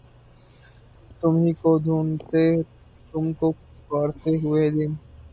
تمہی کو ڈھونڈتے تم کو پکارتے ہوئے دن